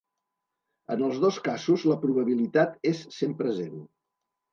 En els dos casos la probabilitat és sempre zero.